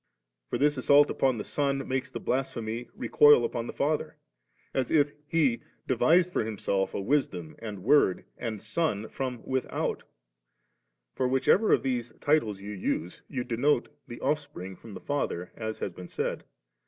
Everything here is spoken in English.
For this assault upon the Son makes the blasphemy recoil upon the Father ; as if He devised for Himself a Wbdom, and Word, and Son from without'; for whichever of these titles you use, you denote the offspring from the Father, as has been said.